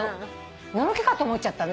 のろけかと思っちゃったね。